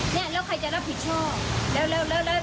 เนี่ยแล้วใครจะรับผิดชอบแล้วจะทำยังไงนี่